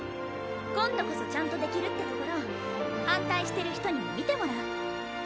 今度こそちゃんとできるってところを反対してる人にも見てもらう。